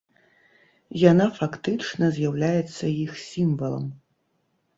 Яна фактычна з'яўляецца іх сімвалам.